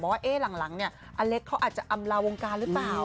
ว่าหลังเนี่ยอเล็กเขาอาจจะอำลาวงการหรือเปล่า